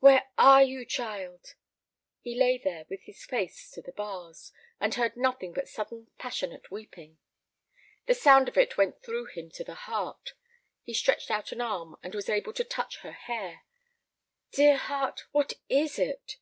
"Where are you, child?" He lay there with his face to the bars, and heard nothing but sudden passionate weeping. The sound of it went through him to the heart. He stretched out an arm and was able to touch her hair. "Dear heart, what is it?"